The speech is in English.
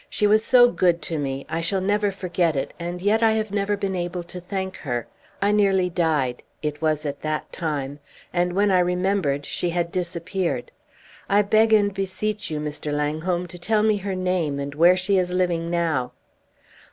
"She was so good to me! I shall never forget it, and yet I have never been able to thank her. I nearly died it was at that time and when I remembered, she had disappeared. I beg and beseech you, Mr. Langholm, to tell me her name, and where she is living now!"